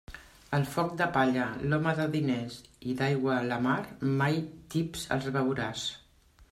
El foc de palla, l'home de diners i d'aigua la mar, mai tips els veuràs.